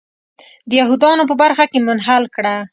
د یهودانو په برخه کې منحل کړه.